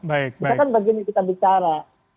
bukan begini kita bicara